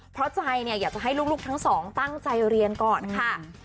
เพราะใจเนี่ยอยากจะให้ลูกทั้งสองตั้งใจเรียนก่อนค่ะ